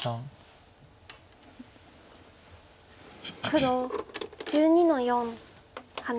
黒１２の四ハネ。